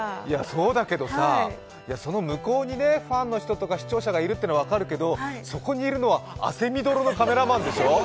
そうだけどさ、その向こうにファンの人や視聴者がいるというのは分かるけど、そこにいるのは、汗みどろのカメラマンでしょ。